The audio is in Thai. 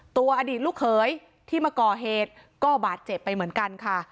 อดีตลูกเขยที่มาก่อเหตุก็บาดเจ็บไปเหมือนกันค่ะ